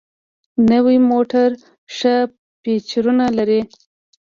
نوي موټر ښه فیچرونه لري.